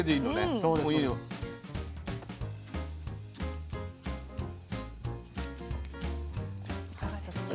そうですよね。